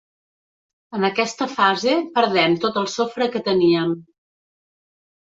En aquesta fase perdem tot el sofre que teníem.